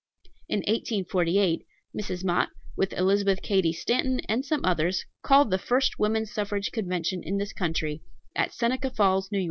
In 1848, Mrs. Mott, with Elizabeth Cady Stanton and some others, called the first Woman's Suffrage Convention in this country, at Seneca Falls, N.Y.